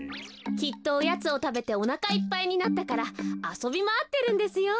きっとオヤツをたべておなかいっぱいになったからあそびまわってるんですよ。